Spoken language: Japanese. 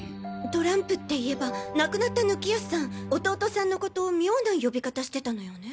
トランプって言えば亡くなった貫康さん弟さんのこと妙な呼び方してたのよね。